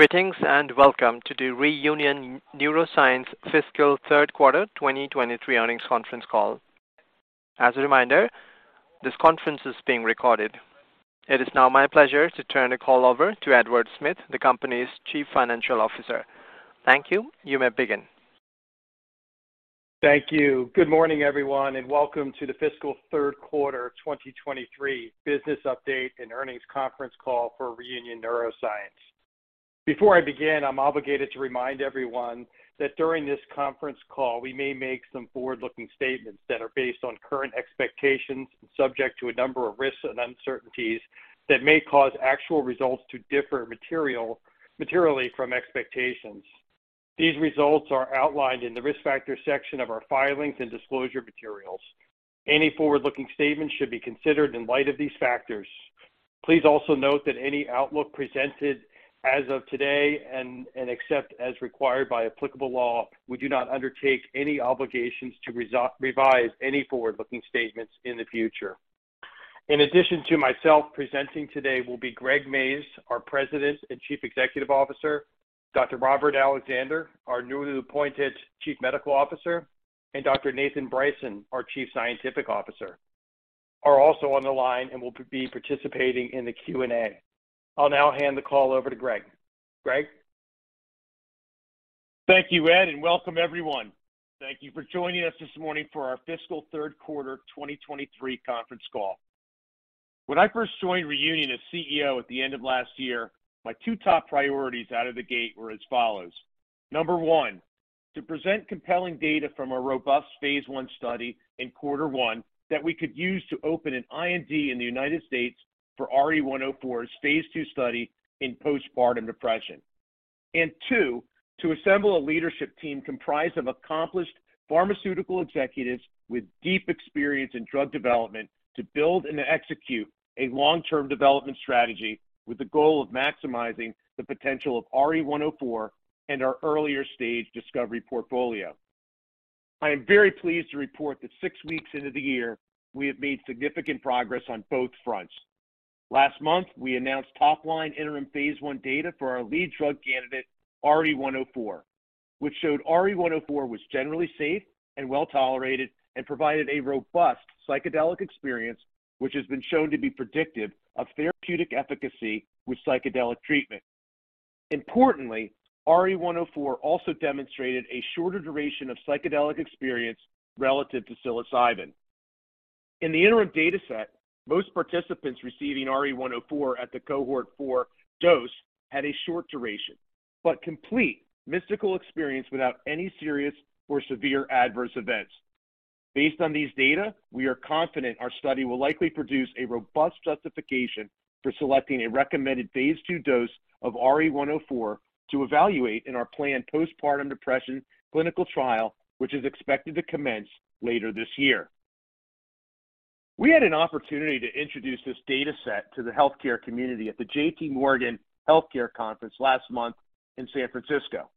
Greetings and welcome to the Reunion Neuroscience Fiscal Third Quarter 2023 Earnings Conference Call. As a reminder, this conference is being recorded. It is now my pleasure to turn the call over to Edward Smith, the company's Chief Financial Officer. Thank you. You may begin. Thank you. Good morning, everyone, and welcome to the fiscal 3rd quarter 2023 business update and earnings conference call for Reunion Neuroscience. Before I begin, I'm obligated to remind everyone that during this conference call, we may make some forward-looking statements that are based on current expectations and subject to a number of risks and uncertainties that may cause actual results to differ materially from expectations. These results are outlined in the Risk Factors section of our filings and disclosure materials. Any forward-looking statements should be considered in light of these factors. Please also note that any outlook presented as of today and except as required by applicable law, we do not undertake any obligations to revise any forward-looking statements in the future. In addition to myself, presenting today will be Greg Mayes, our President and Chief Executive Officer, Dr. Robert Alexander, our newly appointed Chief Medical Officer, and Dr. Nathan Bryson, our Chief Scientific Officer, are also on the line and will be participating in the Q&A. I'll now hand the call over to Greg. Greg. Thank you, Ed. Welcome everyone. Thank you for joining us this morning for our fiscal third quarter 2023 conference call. When I first joined Reunion as CEO at the end of last year, my two top priorities out of the gate were as follows. Number one, to present compelling data from a robust Phase I study in Q1 that we could use to open an IND in the United States for RE-104's Phase II study in postpartum depression. Two, to assemble a leadership team comprised of accomplished pharmaceutical executives with deep experience in drug development to build and execute a long-term development strategy with the goal of maximizing the potential of RE-104 and our earlier stage discovery portfolio. I am very pleased to report that six weeks into the year, we have made significant progress on both fronts. Last month, we announced top line interim Phase I data for our lead drug candidate, RE-104, which showed RE-104 was generally safe and well-tolerated and provided a robust psychedelic experience, which has been shown to be predictive of therapeutic efficacy with psychedelic treatment. Importantly, RE-104 also demonstrated a shorter duration of psychedelic experience relative to Psilocybin. In the interim data set, most participants receiving RE-104 at the cohort 4 dose had a short duration but complete mystical experience without any serious or severe adverse events. Based on these data, we are confident our study will likely produce a robust justification for selecting a recommended Phase II dose of RE-104 to evaluate in our planned postpartum depression clinical trial, which is expected to commence later this year. We had an opportunity to introduce this data set to the healthcare community at the JPMorgan Healthcare Conference last month in San Francisco.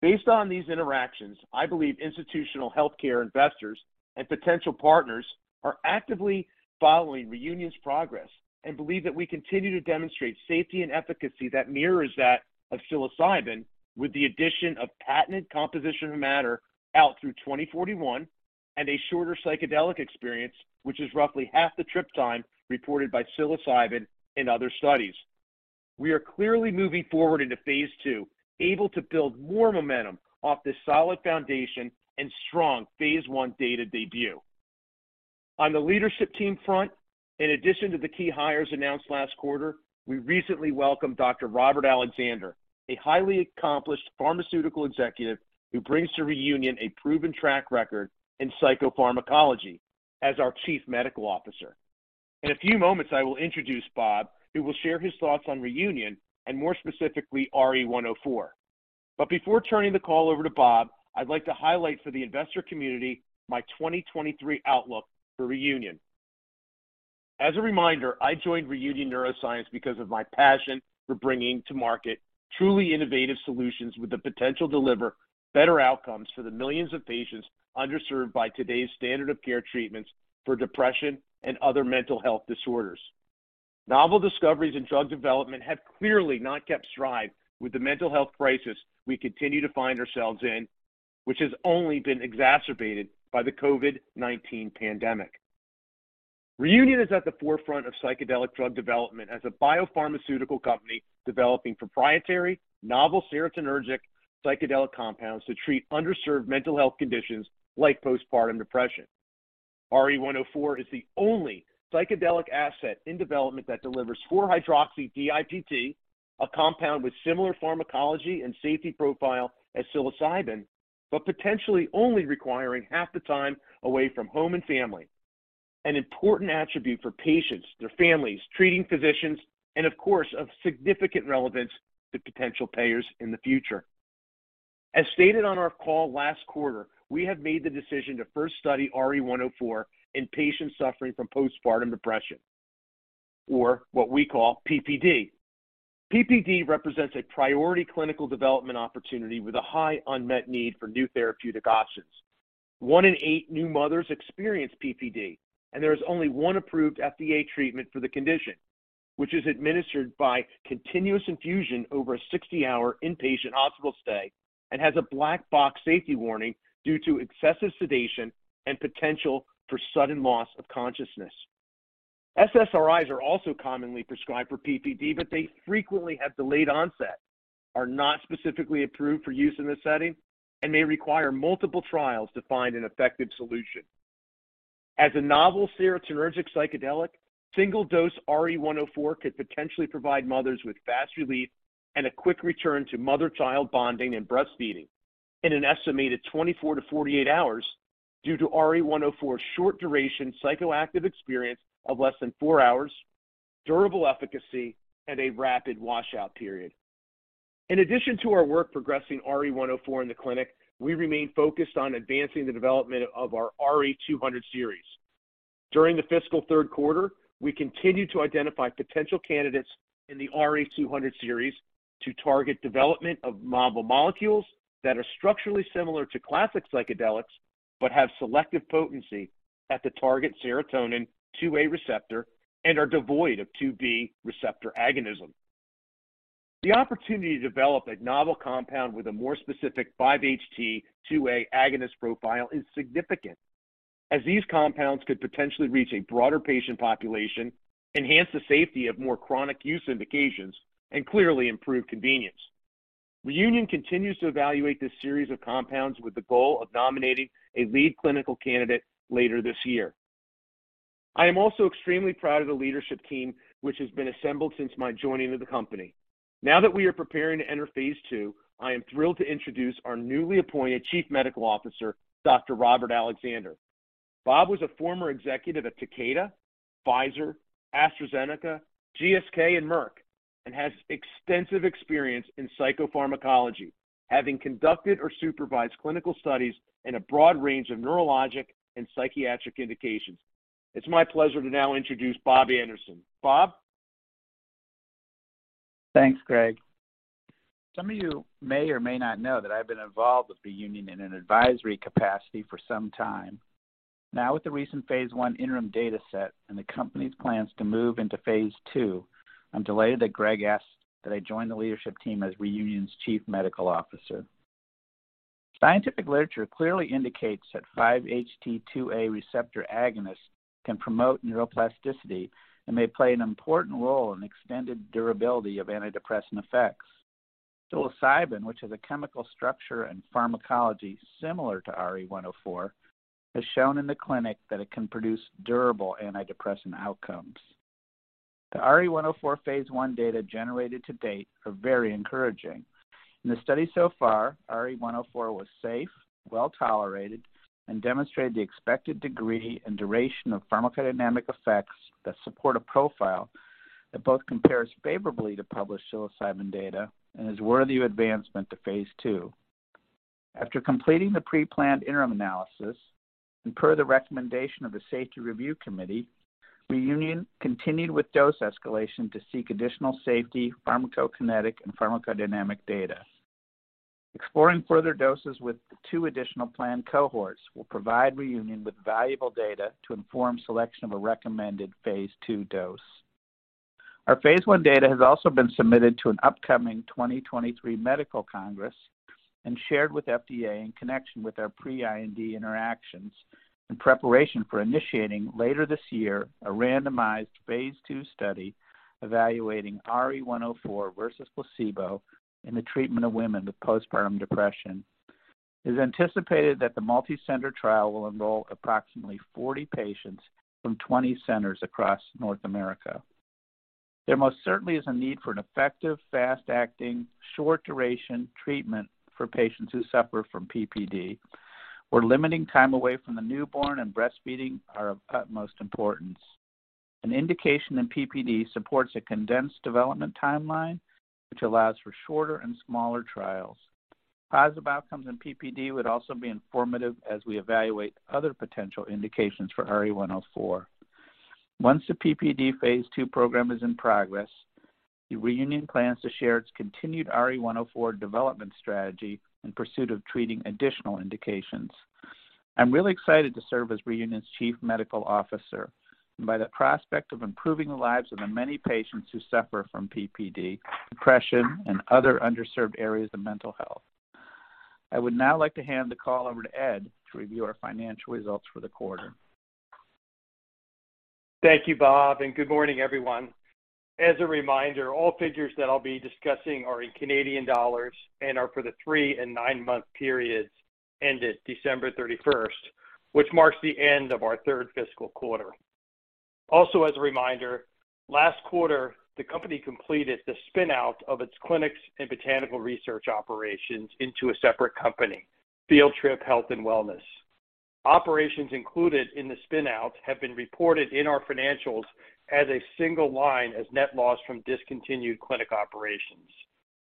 Based on these interactions, I believe institutional healthcare investors and potential partners are actively following Reunion's progress and believe that we continue to demonstrate safety and efficacy that mirrors that of Psilocybin with the addition of patented composition of matter out through 2041 and a shorter psychedelic experience, which is roughly half the trip time reported by Psilocybin in other studies. We are clearly moving forward into Phase II, able to build more momentum off this solid foundation and strong Phase I data debut. On the leadership team front, in addition to the key hires announced last quarter, we recently welcomed Dr. Robert Alexander, a highly accomplished pharmaceutical executive who brings to Reunion a proven track record in psychopharmacology as our Chief Medical Officer. In a few moments, I will introduce Bob, who will share his thoughts on Reunion and more specifically, RE-104. Before turning the call over to Bob, I'd like to highlight for the investor community my 2023 outlook for Reunion. As a reminder, I joined Reunion Neuroscience because of my passion for bringing to market truly innovative solutions with the potential to deliver better outcomes for the millions of patients underserved by today's standard of care treatments for depression and other mental health disorders. Novel discoveries in drug development have clearly not kept stride with the mental health crisis we continue to find ourselves in, which has only been exacerbated by the COVID-19 pandemic. Reunion is at the forefront of psychedelic drug development as a biopharmaceutical company developing proprietary novel serotonergic psychedelic compounds to treat underserved mental health conditions like postpartum depression. RE-104 is the only psychedelic asset in development that delivers 4-OH-DiPT, a compound with similar pharmacology and safety profile as Psilocybin, but potentially only requiring half the time away from home and family, an important attribute for patients, their families, treating physicians and of course, of significant relevance to potential payers in the future. As stated on our call last quarter, we have made the decision to first study RE-104 in patients suffering from postpartum depression, or what we call PPD. PPD represents a priority clinical development opportunity with a high unmet need for new therapeutic options. One in eight new mothers experience PPD, and there is only one approved FDA treatment for the condition, which is administered by continuous infusion over a 60-hour inpatient hospital stay and has a black box safety warning due to excessive sedation and potential for sudden loss of consciousness. SSRIs are also commonly prescribed for PPD, but they frequently have delayed onset, are not specifically approved for use in this setting, and may require multiple trials to find an effective solution. As a novel serotonergic psychedelic, single dose RE-104 could potentially provide mothers with fast relief and a quick return to mother-child bonding and breastfeeding in an estimated 24 to 48 hours due to RE-104's short duration psychoactive experience of less than four hours, durable efficacy, and a rapid washout period. In addition to our work progressing RE-104 in the clinic, we remain focused on advancing the development of our RE-200 series. During the fiscal third quarter, we continued to identify potential candidates in the RE-200 series to target development of novel molecules that are structurally similar to classic psychedelics, but have selective potency at the target serotonin 2A receptor and are devoid of 2B receptor agonism. The opportunity to develop a novel compound with a more specific 5-HT2A agonist profile is significant, as these compounds could potentially reach a broader patient population, enhance the safety of more chronic use indications, and clearly improve convenience. Reunion continues to evaluate this series of compounds with the goal of nominating a lead clinical candidate later this year. I am also extremely proud of the leadership team which has been assembled since my joining of the company. Now that we are preparing to enter Phase II, I am thrilled to introduce our newly appointed Chief Medical Officer, Dr. Robert Alexander. Bob was a former executive at Takeda, Pfizer, AstraZeneca, GSK, and Merck, and has extensive experience in psychopharmacology, having conducted or supervised clinical studies in a broad range of neurologic and psychiatric indications. It's my pleasure to now introduce Bob Alexander. Bob? Thanks, Greg. Some of you may or may not know that I've been involved with Reunion Neuroscience in an advisory capacity for some time. Now, with the recent Phase I interim data set and the company's plans to move into Phase II, I'm delighted that Greg asked that I join the leadership team as Reunion Neuroscience's Chief Medical Officer. Scientific literature clearly indicates that 5-HT2A receptor agonists can promote neuroplasticity and may play an important role in extended durability of antidepressant effects. Psilocybin, which has a chemical structure and pharmacology similar to RE-104, has shown in the clinic that it can produce durable antidepressant outcomes. The RE-104 Phase I data generated to date are very encouraging. In the study so far, RE-104 was safe, well-tolerated, and demonstrated the expected degree and duration of pharmacodynamic effects that support a profile that both compares favorably to published Psilocybin data and is worthy of advancement to Phase II. After completing the pre-planned interim analysis, per the recommendation of the Safety Review Committee, Reunion continued with dose escalation to seek additional safety, pharmacokinetic, and pharmacodynamic data. Exploring further doses with the 2 additional planned cohorts will provide Reunion with valuable data to inform selection of a recommended Phase II dose. Our Phase I data has also been submitted to an upcoming 2023 medical congress and shared with FDA in connection with our pre-IND interactions in preparation for initiating later this year a randomized Phase II study evaluating RE-104 versus placebo in the treatment of women with postpartum depression. It is anticipated that the multicenter trial will enroll approximately 40 patients from 20 centers across North America. There most certainly is a need for an effective, fast-acting, short-duration treatment for patients who suffer from PPD, where limiting time away from the newborn and breastfeeding are of utmost importance. An indication in PPD supports a condensed development timeline, which allows for shorter and smaller trials. Positive outcomes in PPD would also be informative as we evaluate other potential indications for RE-104. Once the PPD Phase II program is in progress, Reunion plans to share its continued RE-104 development strategy in pursuit of treating additional indications. I'm really excited to serve as Reunion's Chief Medical Officer by the prospect of improving the lives of the many patients who suffer from PPD, depression, and other underserved areas of mental health. I would now like to hand the call over to Ed to review our financial results for the quarter. Thank you, Bob, and good morning, everyone. As a reminder, all figures that I'll be discussing are in Canadian dollars and are for the three and nine-month periods ended December 31, which marks the end of our third fiscal quarter. Also as a reminder, last quarter, the company completed the spin-out of its clinics and botanical research operations into a separate company, Field Trip Health & Wellness. Operations included in the spin-out have been reported in our financials as a single line as net loss from discontinued clinic operations.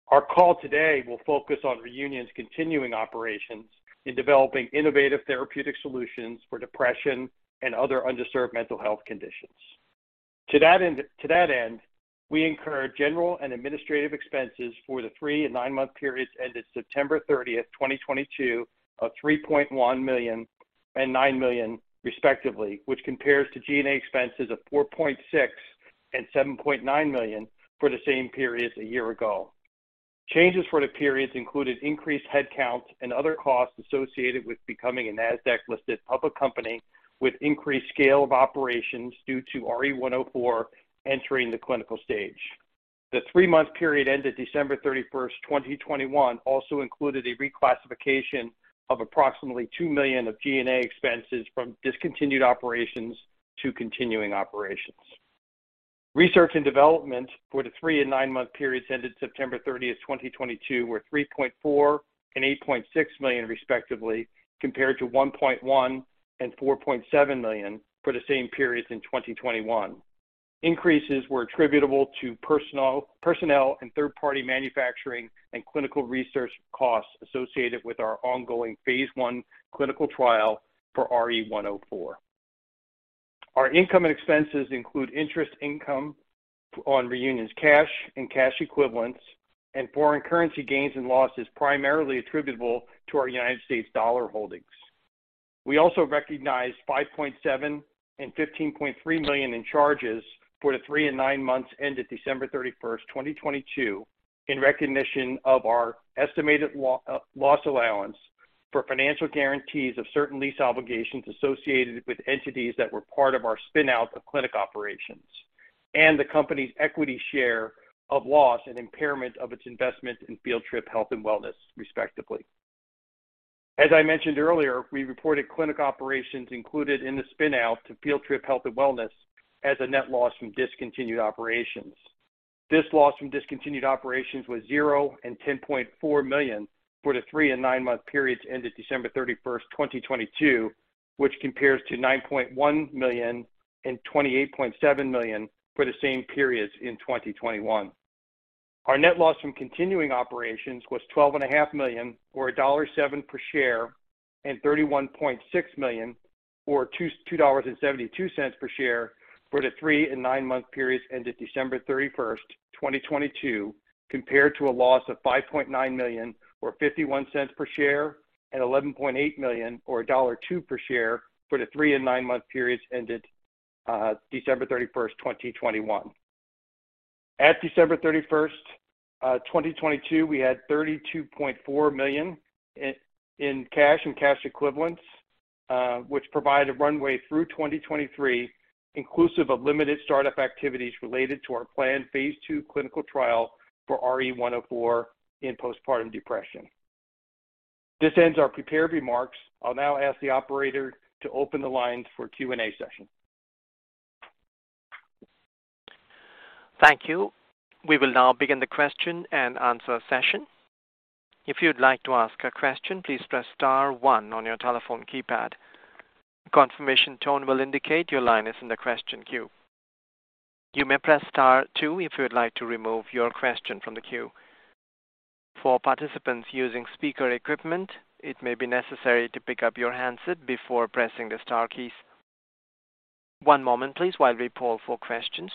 Our call today will focus on Reunion's continuing operations in developing innovative therapeutic solutions for depression and other underserved mental health conditions. To that end, to that end, we incurred general and administrative expenses for the three- and nine-month periods ended September 30, 2022, of $3.1 million and $9 million, respectively, which compares to G&A expenses of $4.6 million and $7.9 million for the same periods a year ago. Changes for the periods included increased headcounts and other costs associated with becoming a Nasdaq-listed public company with increased scale of operations due to RE-104 entering the clinical stage. The three-month period ended December 31, 2021, also included a reclassification of approximately $2 million of G&A expenses from discontinued operations to continuing operations. Research and development for the three- and nine-month periods ended September 30, 2022, were $3.4 million and $8.6 million, respectively, compared to $1.1 million and $4.7 million for the same periods in 2021. Increases were attributable to personnel and third-party manufacturing and clinical research costs associated with our ongoing Phase I clinical trial for RE-104. Our income and expenses include interest income on Reunion's cash and cash equivalents and foreign currency gains and losses primarily attributable to our U.S. dollar holdings. We also recognized 5.7 million and 15.3 million in charges for the three and nine months ended December 31, 2022, in recognition of our estimated loss allowance for financial guarantees of certain lease obligations associated with entities that were part of our spin-out of clinic operations, and the company's equity share of loss and impairment of its investment in Field Trip Health & Wellness, respectively. As I mentioned earlier, we reported clinic operations included in the spin-out to Field Trip Health & Wellness as a net loss from discontinued operations. This loss from discontinued operations was 0 and 10.4 million for the three and nine-month periods ended December 31, 2022, which compares to 9.1 million and 28.7 million for the same periods in 2021. Our net loss from continuing operations was 12.5 million Or dollar 1.07 per share, and 31.6 million or 2.72 dollars per share for the three and nine-month periods ended December 31st, 2022, compared to a loss of 5.9 million or 0.51 per share, and 11.8 million or dollar 1.02 per share for the 3 and 9-month periods ended December 31, 2021. At December 31, 2022, we had $32.4 million in cash and cash equivalents, which provided runway through 2023, inclusive of limited start-up activities related to our planned Phase II clinical trial for RE-104 in postpartum depression. This ends our prepared remarks. I'll now ask the operator to open the lines for Q&A session. Thank you. We will now begin the question-and-answer session. If you'd like to ask a question, please press star one on your telephone keypad. Confirmation tone will indicate your line is in the question queue. You may press star two if you would like to remove your question from the queue. For participants using speaker equipment, it may be necessary to pick up your handset before pressing the star keys. One moment, please, while we poll for questions.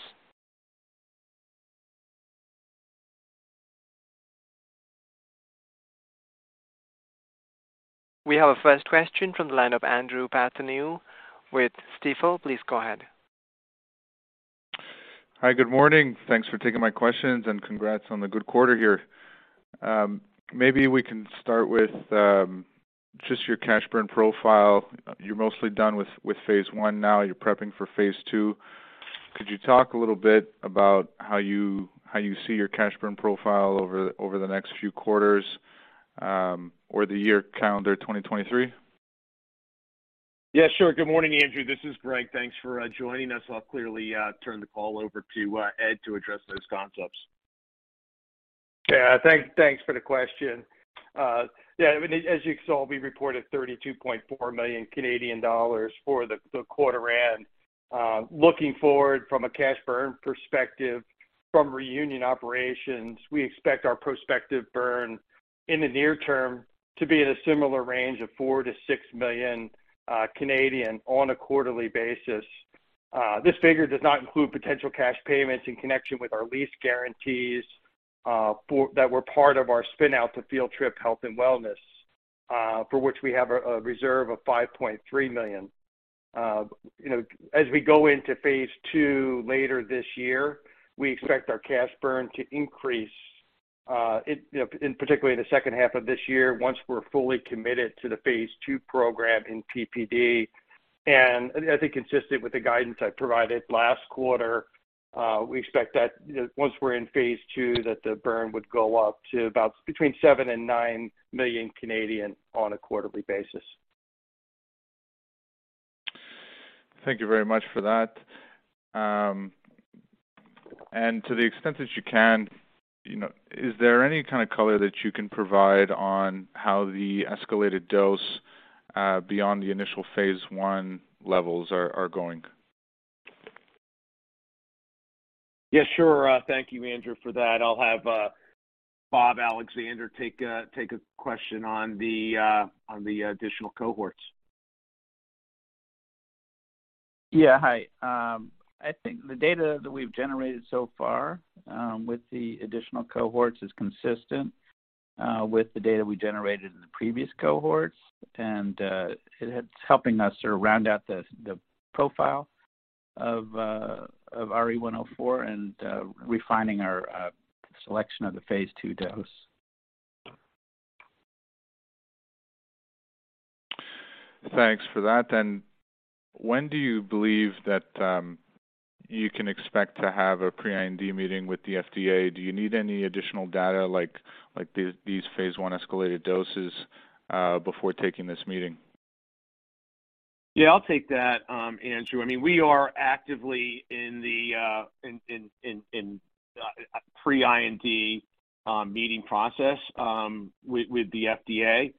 We have our first question from the line of Andrew Partheniou with Stifel. Please go ahead. Hi. Good morning. Thanks for taking my questions. Congrats on the good quarter here. Maybe we can start with just your cash burn profile. You're mostly done with Phase I. Now you're prepping for Phase II. Could you talk a little bit about how you see your cash burn profile over the next few quarters, or the year calendar 2023? Sure. Good morning, Andrew. This is Greg. Thanks for joining us. I'll clearly turn the call over to Ed to address those concepts. Thanks for the question. As you saw, we reported 32.4 million Canadian dollars for the quarter end. Looking forward from a cash burn perspective from Reunion operations, we expect our prospective burn in the near term to be in a similar range of 4 million–6 million on a quarterly basis. This figure does not include potential cash payments in connection with our lease guarantees that were part of our spin-out to Field Trip Health & Wellness, for which we have a reserve of 5.3 million. You know, as we go into Phase II later this year, we expect our cash burn to increase, in, you know, in particular in the second half of this year once we're fully committed to the Phase II program in PPD. I think consistent with the guidance I provided last quarter, we expect that once we're in phase two, that the burn would go up to about between 7 million–9 million on a quarterly basis. Thank you very much for that. To the extent that you can, you know, is there any kind of color that you can provide on how the escalated dose, beyond the initial Phase I levels are going? Sure. Thank you, Andrew Partheniou, for that. I'll have Bob Alexander take a, take a question on the on the additional cohorts. Yeah. Hi. I think the data that we've generated so far, with the additional cohorts is consistent, with the data we generated in the previous cohorts. It's helping us sort of round out the profile of RE-104 and refining our selection of the Phase II dose. Thanks for that. When do you believe that, you can expect to have a pre-IND meeting with the FDA? Do you need any additional data like these phase I escalated doses, before taking this meeting? Yeah, I'll take that, Andrew. I mean, we are actively in the pre-IND meeting process with the FDA.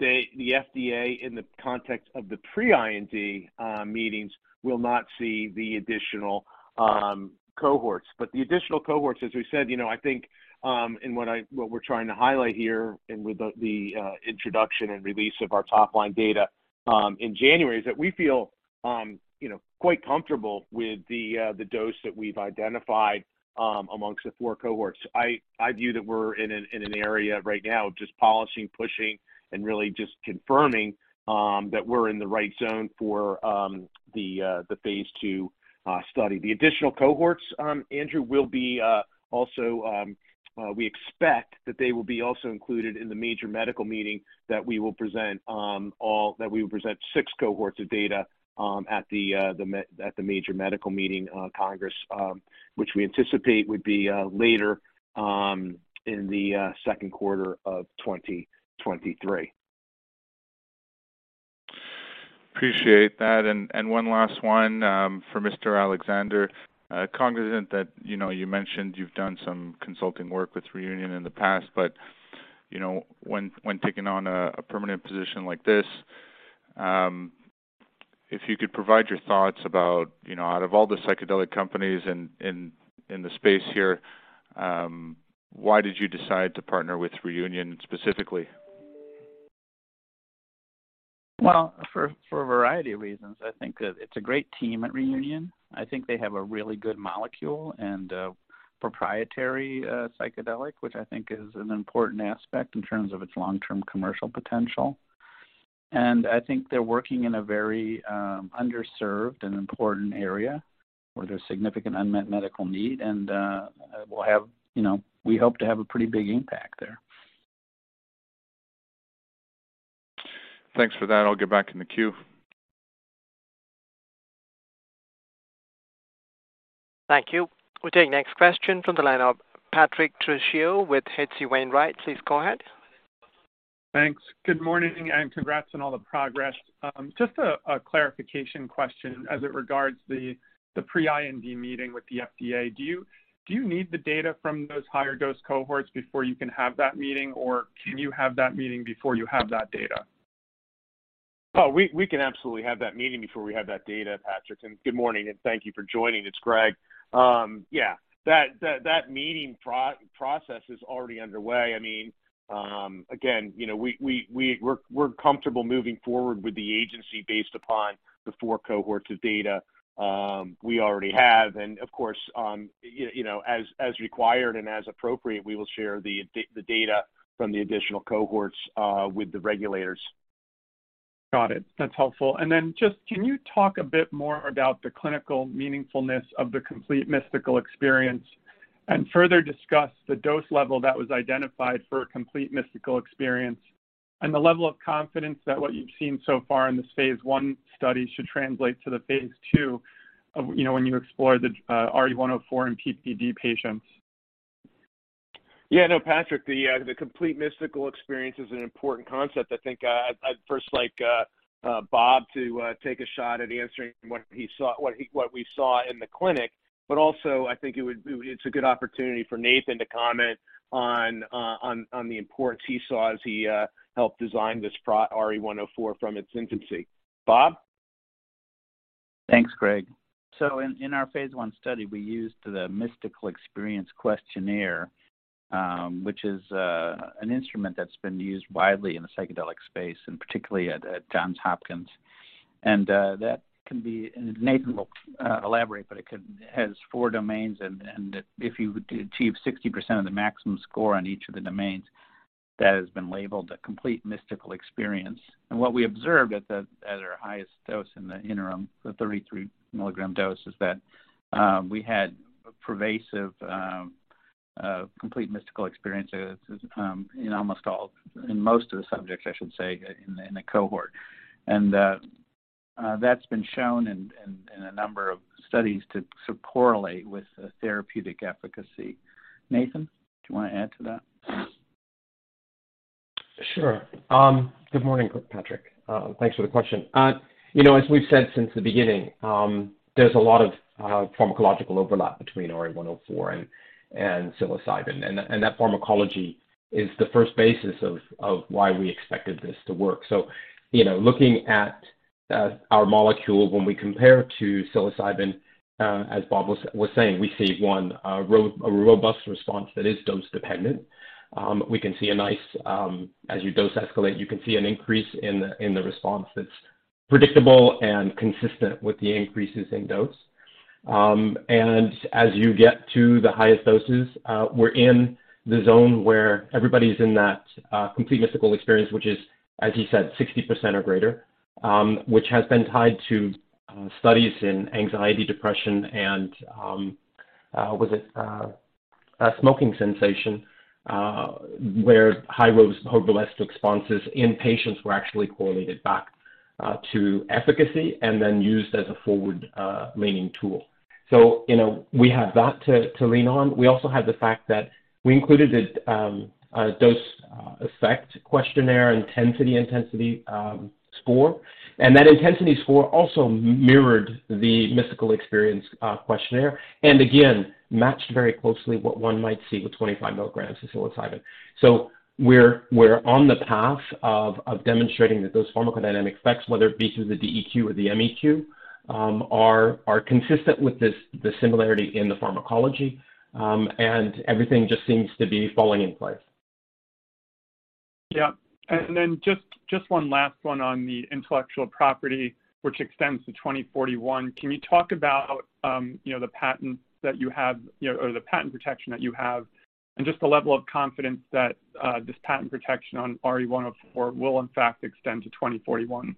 The FDA, in the context of the pre-IND meetings, will not see the additional cohorts. The additional cohorts, as we said, you know, I think, and what we're trying to highlight here and with the introduction and release of our top-line data in January, is that we feel, you know, quite comfortable with the dose that we've identified amongst the four cohorts. I view that we're in an area right now of just polishing, pushing, and really just confirming that we're in the right zone for the Phase II study. The additional cohorts, Andrew, will be also, we expect that they will be also included in the major medical meeting that we will present six cohorts of data at the major medical meeting congress, which we anticipate would be later in the second quarter of 2023. Appreciate that. One last one, for Mr. Alexander. Cognizant that, you know, you mentioned you've done some consulting work with Reunion in the past, but, you know, when taking on a permanent position like this, if you could provide your thoughts about, you know, out of all the psychedelic companies in the space here, why did you decide to partner with Reunion specifically? Well, for a variety of reasons. I think that it's a great team at Reunion. I think they have a really good molecule and a proprietary psychedelic, which I think is an important aspect in terms of its long-term commercial potential. I think they're working in a very underserved and important area where there's significant unmet medical need, and we'll have... You know, we hope to have a pretty big impact there. Thanks for that. I'll get back in the queue. Thank you. We'll take next question from the line of Patrick Trucchio with H.C. Wainwright. Please go ahead. Thanks. Good morning, and congrats on all the progress. Just a clarification question as it regards the pre-IND meeting with the FDA. Do you need the data from those higher dose cohorts before you can have that meeting, or can you have that meeting before you have that data? We can absolutely have that meeting before we have that data, Patrick. Good morning, and thank you for joining. It's Greg. Yeah. That meeting process is already underway. I mean, again, you know, we're comfortable moving forward with the agency based upon the four cohorts of data we already have. Of course, you know, as required and as appropriate, we will share the data from the additional cohorts with the regulators. Got it. That's helpful. Can you talk a bit more about the clinical meaningfulness of the complete mystical experience and further discuss the dose level that was identified for a complete mystical experience and the level of confidence that what you've seen so far in this Phase I study should translate to the Phase II of, you know, when you explore the RE-104 in PPD patients? Yeah. No, Patrick, the complete mystical experience is an important concept. I think I'd first like Bob to take a shot at answering what we saw in the clinic. Also, I think it's a good opportunity for Nathan to comment on the importance he saw as he helped design this RE-104 from its infancy. Bob. Thanks, Greg. In our Phase I study, we used the Mystical Experience Questionnaire, which is an instrument that's been used widely in the psychedelic space and particularly at Johns Hopkins. Nathan will elaborate, but it has four domains and if you achieve 60% of the maximum score on each of the domains, that has been labeled a complete mystical experience. What we observed at our highest dose in the interim, the 33 milligram dose, is that we had pervasive complete mystical experiences in most of the subjects, I should say, in the cohort. That's been shown in a number of studies to correlate with the therapeutic efficacy. Nathan, do you wanna add to that? Sure. Good morning, Patrick. Thanks for the question. You know, as we've said since the beginning, there's a lot of pharmacological overlap between RE-104 and Psilocybin. That pharmacology is the first basis of why we expected this to work. You know, looking at Our molecule when we compare to Psilocybin, as Bob was saying, we see a robust response that is dose dependent. We can see a nice, as you dose escalate, you can see an increase in the response that's predictable and consistent with the increases in dose. As you get to the highest doses, we're in the zone where everybody's in that complete mystical experience which is, as you said, 60% or greater, which has been tied to studies in anxiety, depression and, was it, smoking cessation, where high holistic responses in patients were actually correlated back to efficacy and then used as a forward leaning tool. You know, we have that to lean on. We also have the fact that we included a Dose Effect Questionnaire intensity score. That intensity score also mirrored the Mystical Experience Questionnaire, and again matched very closely what one might see with 25 milligrams of Psilocybin. We're on the path of demonstrating that those pharmacodynamic effects, whether it be through the DEQ or the MEQ, are consistent with this, the similarity in the pharmacology, and everything just seems to be falling in place. Yeah. Then just one last one on the intellectual property which extends to 2041. Can you talk about, you know, the patent that you have, you know, or the patent protection that you have and just the level of confidence that this patent protection on RE-104 will in fact extend to 2041?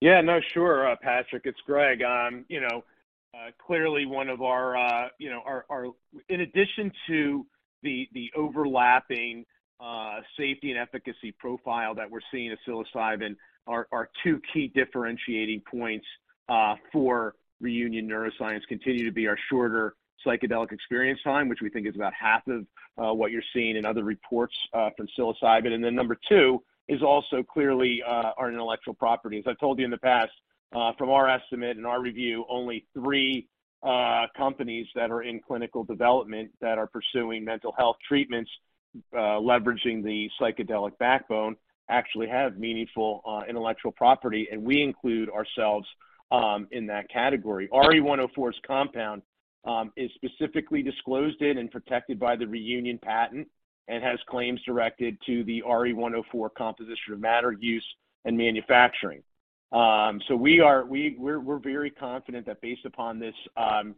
Yeah. No, sure. Patrick Trucchio, it's Greg Mayes. You know, clearly one of our, you know, our... In addition to the overlapping safety and efficacy profile that we're seeing with Psilocybin, our two key differentiating points for Reunion Neuroscience continue to be our shorter psychedelic experience time, which we think is about half of what you're seeing in other reports from Psilocybin. Number two is also clearly our intellectual property. As I've told you in the past, from our estimate and our review, only three companies that are in clinical development that are pursuing mental health treatments leveraging the psychedelic backbone actually have meaningful intellectual property, and we include ourselves in that category. RE-104's compound is specifically disclosed in and protected by the Reunion patent and has claims directed to the RE-104 composition of matter use and manufacturing. We are very confident that based upon this, you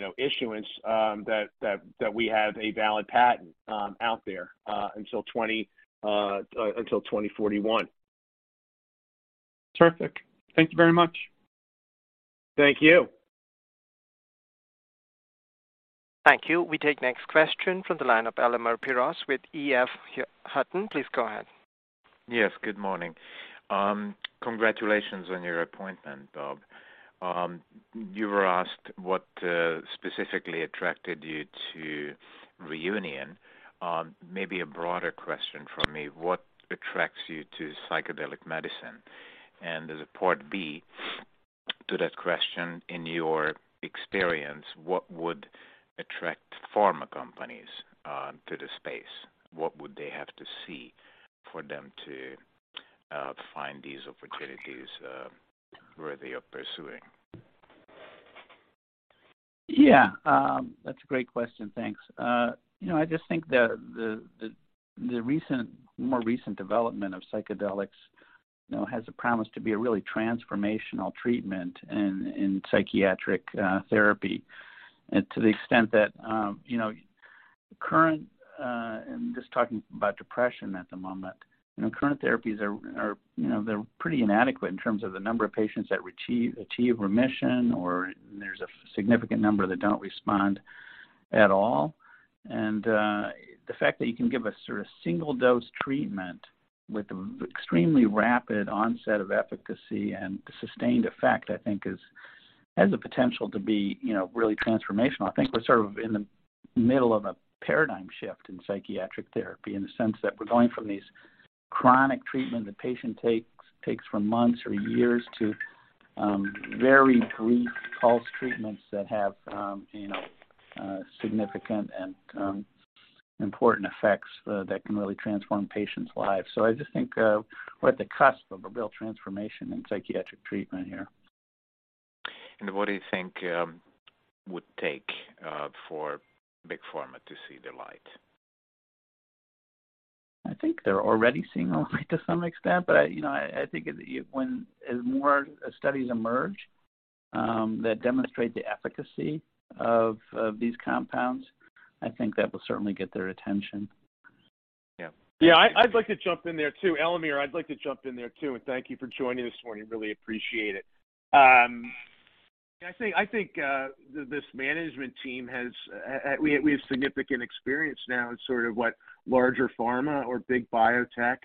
know, issuance, that we have a valid patent out there until 2041. Terrific. Thank you very much. Thank you. Thank you. We take next question from the line of Elemer Piros with EF Hutton. Please go ahead. Yes, good morning. Congratulations on your appointment, Bob. You were asked what specifically attracted you to Reunion. Maybe a broader question from me. What attracts you to psychedelic medicine? As a Part B to that question, in your experience, what would attract pharma companies to the space? What would they have to see for them to find these opportunities worthy of pursuing? Yeah. That's a great question. Thanks. You know, I just think the more recent development of psychedelics, you know, has a promise to be a really transformational treatment in psychiatric therapy. To the extent that, you know, current. I'm just talking about depression at the moment. You know, current therapies are, you know, they're pretty inadequate in terms of the number of patients that achieve remission or there's a significant number that don't respond at all. The fact that you can give a sort of single dose treatment with extremely rapid onset of efficacy and sustained effect, I think has the potential to be, you know, really transformational. I think we're sort of in the middle of a paradigm shift in psychiatric therapy in the sense that we're going from these chronic treatment the patient takes for months or years to very brief pulse treatments that have, you know, significant and important effects that can really transform patients' lives. I just think we're at the cusp of a real transformation in psychiatric treatment here. What do you think would take for big pharma to see the light? I think they're already seeing the light to some extent. You know, I think when as more studies emerge, that demonstrate the efficacy of these compounds, I think that will certainly get their attention. Yeah. Yeah. I'd like to jump in there too. Elemer, I'd like to jump in there too. Thank you for joining this morning. Really appreciate it. I think this management team has, we have significant experience now in sort of what larger pharma or big biotech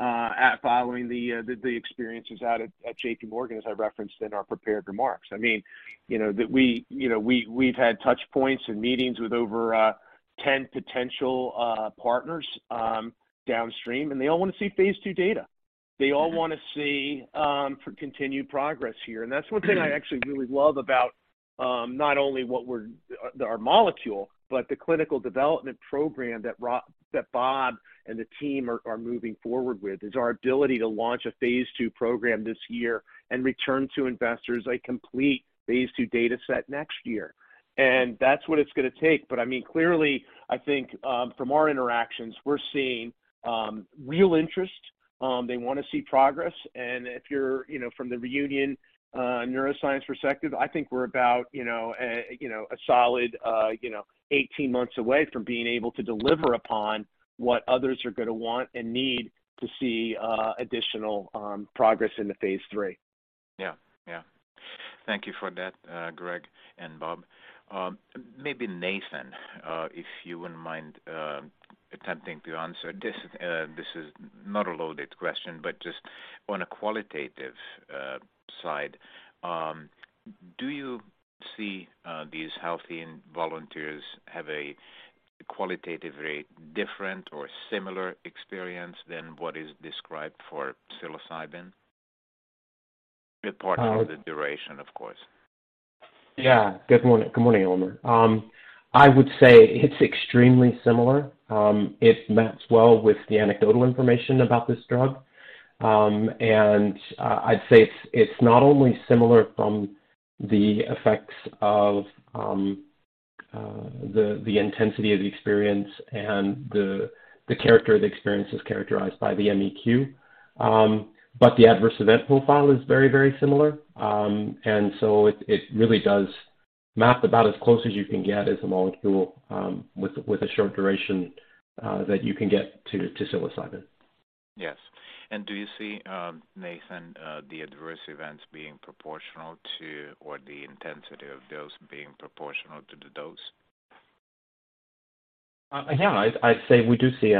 at following the experiences out at JPMorgan, as I referenced in our prepared remarks. I mean, you know, that we, you know, we've had touch points and meetings with over 10 potential partners downstream. They all wanna see Phase II data. They all wanna see for continued progress here. That's one thing I actually really love about not only what our molecule, but the clinical development program that Bob and the team are moving forward with. Is our ability to launch a Phase II program this year and return to investors a complete Phase II data set next year. That's what it's gonna take. I mean, clearly, I think, from our interactions, we're seeing, real interest. They wanna see progress. If you're, you know, from the Reunion Neuroscience perspective, I think we're about, you know, a solid, you know, 18 months away from being able to deliver upon what others are gonna want and need to see, additional, progress into Phase III. Yeah. Yeah. Thank you for that, Greg and Bob. Maybe Nathan, if you wouldn't mind attempting to answer this. This is not a loaded question, but just on a qualitative side, do you see these healthy volunteers have a qualitatively different or similar experience than what is described for Psilocybin? Apart from the duration, of course. Yeah. Good morning. Good morning, Elemer. I would say it's extremely similar. It maps well with the anecdotal information about this drug. I'd say it's not only similar from the effects of the intensity of the experience and the character of the experience as characterized by the MEQ, but the adverse event profile is very, very similar. It, it really does map about as close as you can get as a molecule, with a short duration, that you can get to Psilocybin. Yes. Do you see, Nathan, the adverse events being proportional to or the intensity of dose being proportional to the dose? Yeah. I'd say we do see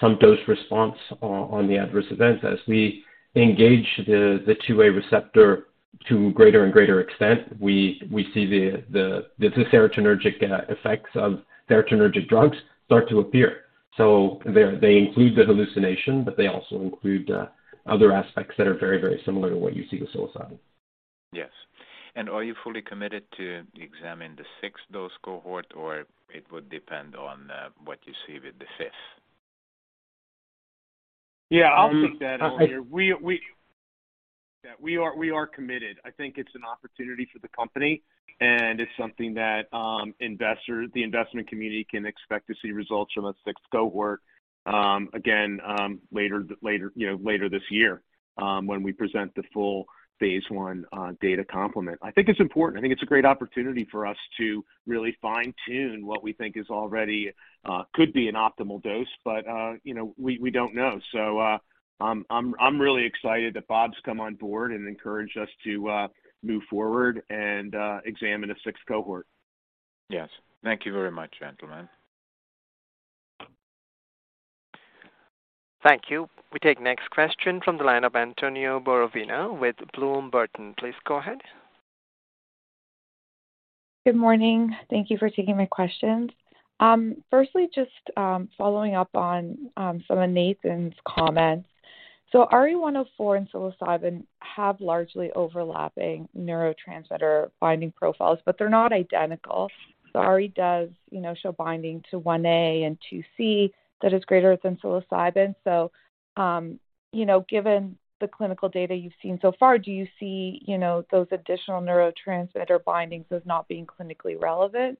some dose response on the adverse events. As we engage the 5-HT2A receptor to greater and greater extent, we see the serotonergic effects of serotonergic drugs start to appear. They include the hallucination, but they also include other aspects that are very similar to what you see with Psilocybin. Yes. Are you fully committed to examine the sixth dose cohort, or it would depend on what you see with the fifth? Yeah. I'll take that, Elemer. We are committed. I think it's an opportunity for the company, and it's something that the investment community can expect to see results from a sixth cohort again later, you know, later this year when we present the full Phase I data complement. I think it's important. I think it's a great opportunity for us to really fine-tune what we think is already could be an optimal dose, but, you know, we don't know. I'm really excited that Bob's come on board and encouraged us to move forward and examine a sixth cohort. Yes. Thank you very much, gentlemen. Thank you. We take next question from the line of Antonia Borovina with Bloom Burton. Please go ahead. Good morning. Thank you for taking my questions. Firstly, just following up on some of Nathan's comments. RE-104 and Psilocybin have largely overlapping neurotransmitter binding profiles, but they're not identical. RE-104 does, you know, show binding to one A and two C that is greater than Psilocybin. Given the clinical data you've seen so far, do you see, you know, those additional neurotransmitter bindings as not being clinically relevant?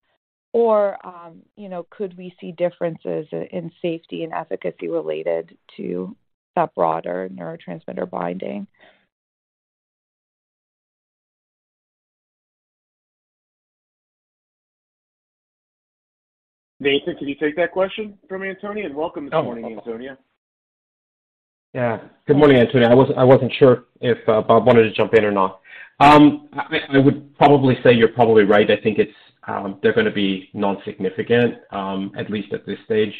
You know, could we see differences in safety and efficacy related to that broader neurotransmitter binding? Nathan, can you take that question from Antonia? Welcome this morning, Antonia. Good morning, Antonia. I wasn't sure if Bob wanted to jump in or not. I would probably say you're probably right. I think it's, they're gonna be non-significant, at least at this stage.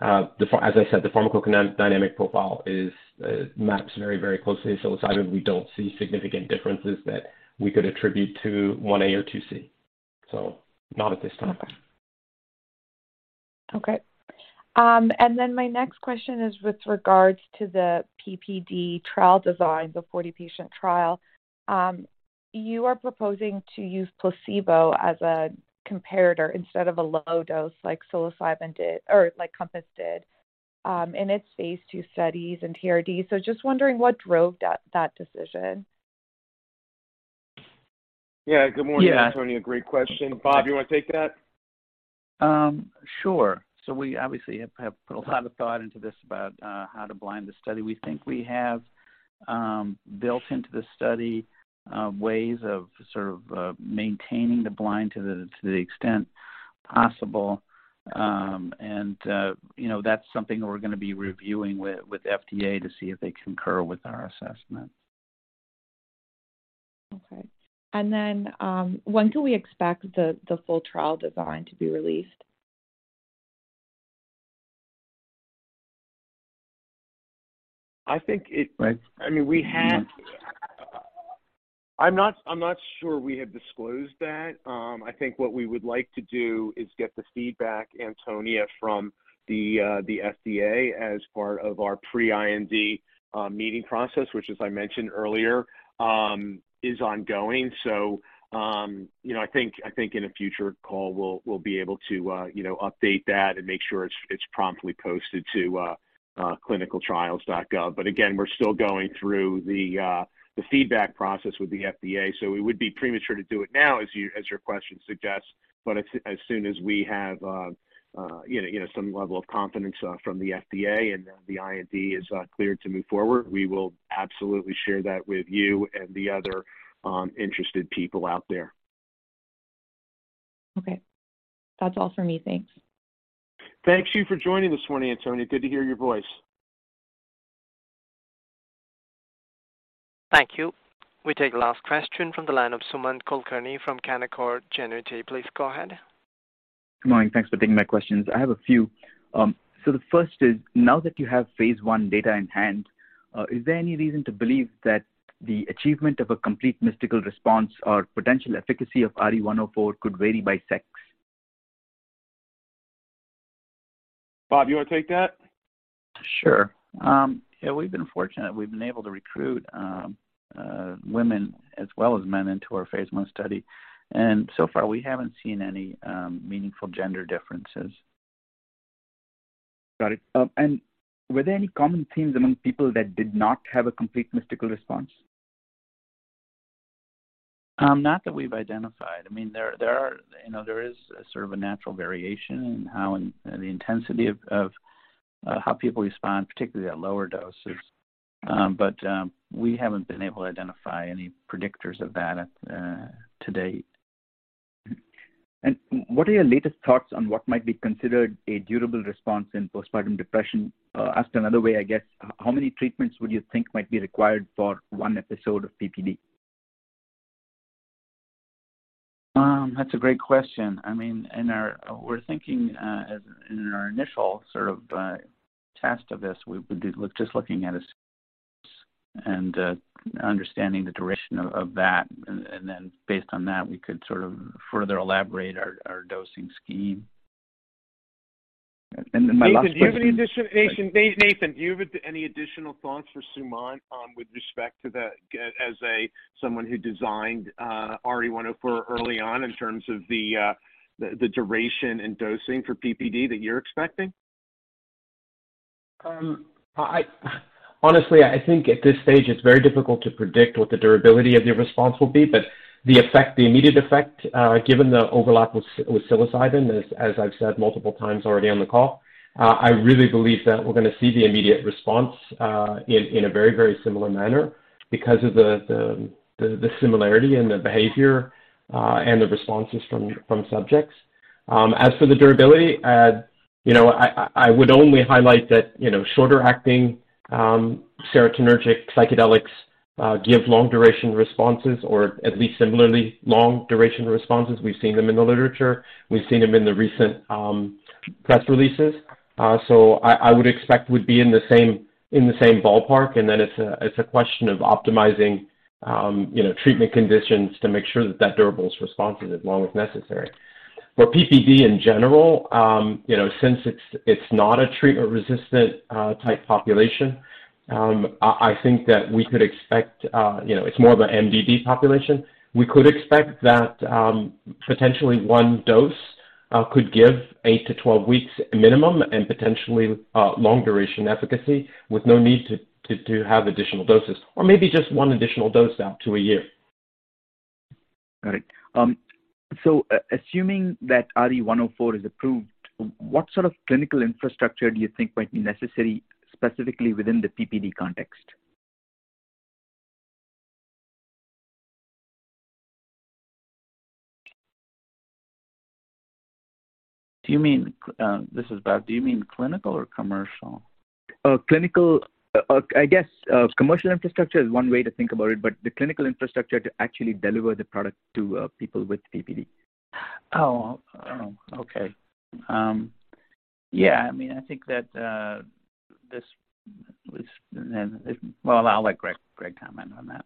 As I said, the pharmacodynamic profile is, maps very, very closely to Psilocybin. We don't see significant differences that we could attribute to 1A or 2C. Not at this time. Okay. My next question is with regards to the PPD trial design, the 40-patient trial. You are proposing to use placebo as a comparator instead of a low dose like Psilocybin did or like Compass did, in its Phase II studies in TRD. Just wondering what drove that decision. Yeah. Good morning, Antonia. Great question. Bob, you wanna take that? Sure. We obviously have put a lot of thought into this about, how to blind the study. We think we have, built into the study, ways of sort of, maintaining the blind to the, to the extent possible. You know, that's something that we're gonna be reviewing with FDA to see if they concur with our assessment. Okay. When can we expect the full trial design to be released? I think it- Right. I mean, I'm not sure we have disclosed that. I think what we would like to do is get the feedback, Antonia, from the FDA as part of our pre-IND meeting process, which as I mentioned earlier, is ongoing. you know, I think in a future call, we'll be able to, you know, update that and make sure it's promptly posted to ClinicalTrials.gov. Again, we're still going through the feedback process with the FDA, so it would be premature to do it now, as your question suggests. As soon as we have, you know, some level of confidence from the FDA and the IND is cleared to move forward, we will absolutely share that with you and the other interested people out there. Okay. That's all for me. Thanks. Thank you for joining this morning, Antonia. Good to hear your voice. Thank you. We take the last question from the line of Sumant Kulkarni from Canaccord Genuity. Please go ahead. Good morning. Thanks for taking my questions. I have a few. The first is, now that you have Phase I data in hand, is there any reason to believe that the achievement of a complete mystical response or potential efficacy of RE-104 could vary by sex? Bob, you wanna take that? Sure. Yeah, we've been fortunate. We've been able to recruit, women as well as men into our Phase I study. So far, we haven't seen any meaningful gender differences. Got it. Were there any common themes among people that did not have a complete mystical response? Not that we've identified. I mean, there are, you know, there is sort of a natural variation in how and the intensity of how people respond, particularly at lower doses. We haven't been able to identify any predictors of that, to date. What are your latest thoughts on what might be considered a durable response in postpartum depression? asked another way, I guess, how many treatments would you think might be required for one episode of PPD? That's a great question. I mean, We're thinking as in our initial sort of, test of this, just looking at a series and understanding the duration of that. Then based on that, we could sort of further elaborate our dosing scheme. My last question? Nathan, do you have any additional thoughts for Sumant, with respect to as a someone who designed RE-104 early on in terms of the duration and dosing for PPD that you're expecting? Honestly, I think at this stage it's very difficult to predict what the durability of the response will be. The effect, the immediate effect, given the overlap with Psilocybin, as I've said multiple times already on the call, I really believe that we're gonna see the immediate response, in a very, very similar manner because of the similarity in the behavior, and the responses from subjects. As for the durability, you know, I would only highlight that, you know, shorter acting, serotonergic psychedelics, give long duration responses or at least similarly long duration responses. We've seen them in the literature. We've seen them in the recent, press releases. I would expect would be in the same ballpark. It's a question of optimizing, you know, treatment conditions to make sure that that durable response as long as necessary. For PPD in general, you know, since it's not a treatment-resistant type population, I think that we could expect, you know, it's more of an MDD population. We could expect that, potentially one dose could give 8-12 weeks minimum and potentially long duration efficacy with no need to have additional doses or maybe just one additional dose out to a year. Got it. Assuming that RE-104 is approved, what sort of clinical infrastructure do you think might be necessary specifically within the PPD context? Do you mean, this is Bob? Do you mean clinical or commercial? Clinical. I guess, commercial infrastructure is one way to think about it, but the clinical infrastructure to actually deliver the product to people with PPD. Oh. Oh, okay. Yeah. I mean, I think that, well, I'll let Greg comment on that.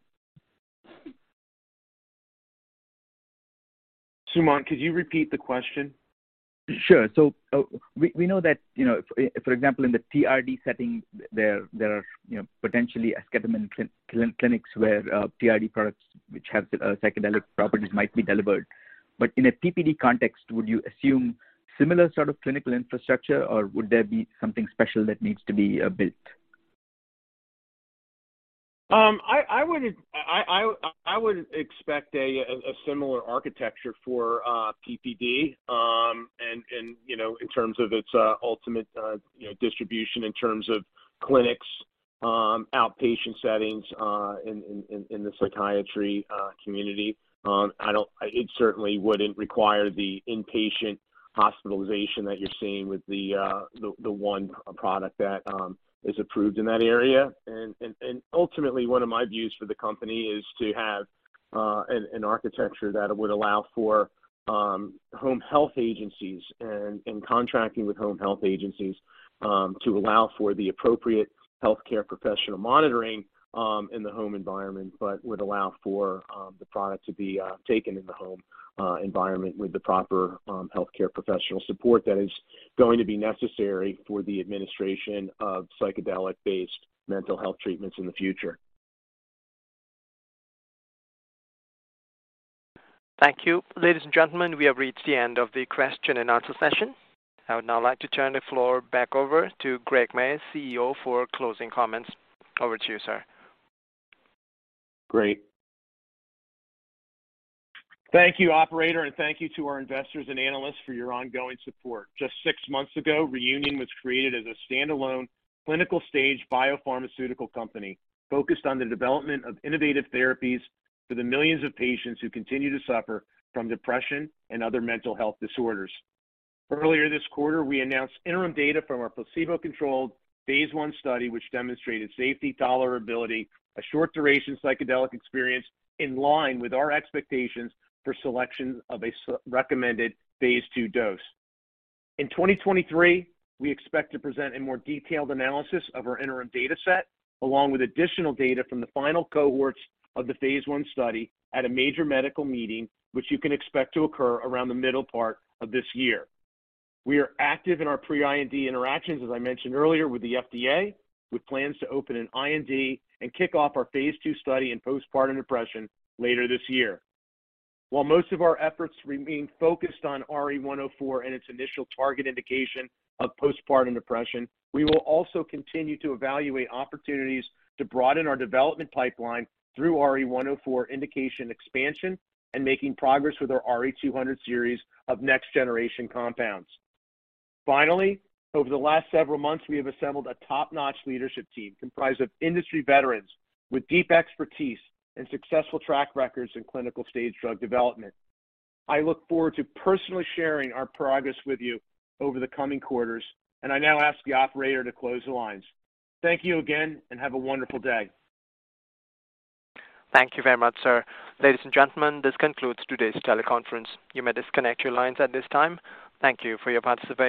Sumant, could you repeat the question? Sure. We know that, you know, for example, in the TRD setting, there are, you know, potentially esketamine clinics where TRD products which have psychedelic properties might be delivered. In a PPD context, would you assume similar sort of clinical infrastructure, or would there be something special that needs to be built? I would expect a similar architecture for PPD, and, you know, in terms of its ultimate, you know, distribution in terms of clinics, outpatient settings, in the psychiatry community. It certainly wouldn't require the inpatient hospitalization that you're seeing with the one product that is approved in that area. Ultimately, one of my views for the company is to have an architecture that would allow for home health agencies and contracting with home health agencies, to allow for the appropriate healthcare professional monitoring in the home environment, but would allow for the product to be taken in the home environment with the proper healthcare professional support that is going to be necessary for the administration of psychedelic-based mental health treatments in the future. Thank you. Ladies and gentlemen, we have reached the end of the question-and-answer session. I would now like to turn the floor back over to Greg Mayes, CEO, for closing comments. Over to you, sir. Great. Thank you, operator, and thank you to our investors and analysts for your ongoing support. Just six months ago, Reunion was created as a standalone clinical-stage biopharmaceutical company focused on the development of innovative therapies for the millions of patients who continue to suffer from depression and other mental health disorders. Earlier this quarter, we announced interim data from our placebo-controlled Phase I study, which demonstrated safety, tolerability, a short-duration psychedelic experience in line with our expectations for selection of a recommended Phase II dose. In 2023, we expect to present a more detailed analysis of our interim data set, along with additional data from the final cohorts of the Phase I study at a major medical meeting, which you can expect to occur around the middle part of this year. We are active in our pre-IND interactions, as I mentioned earlier, with the FDA, with plans to open an IND and kick off our Phase II study in postpartum depression later this year. While most of our efforts remain focused on RE-104 and its initial target indication of postpartum depression, we will also continue to evaluate opportunities to broaden our development pipeline through RE-104 indication expansion and making progress with our RE-200 series of next-generation compounds. Finally, over the last several months, we have assembled a top-notch leadership team comprised of industry veterans with deep expertise and successful track records in clinical-stage drug development. I look forward to personally sharing our progress with you over the coming quarters, and I now ask the operator to close the lines. Thank you again, and have a wonderful day. Thank you very much, sir. Ladies and gentlemen, this concludes today's teleconference. You may disconnect your lines at this time. Thank you for your participation.